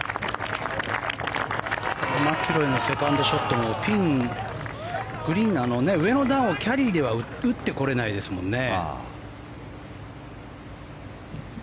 マキロイのセカンドショットはグリーンの上の段をキャリーでは打ってこれないですもんね。